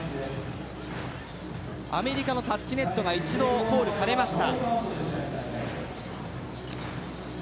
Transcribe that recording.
アメリカのタッチネットが一度コールされました。